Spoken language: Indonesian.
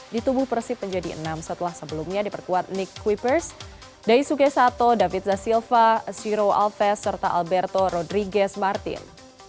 ditubuh persib menjadi enam setelah sebelumnya diperkuat nick kwippers daisuke sato david zasilva shiro alves serta alberto rodriguez martin